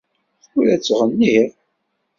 Tura ttɣenniɣ.